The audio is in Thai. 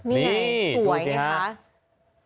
นี่สวยนะครับ